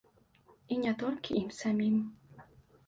І не толькі ім самім.